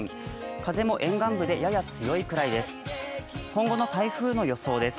風も沿岸部でやや強いくらいです。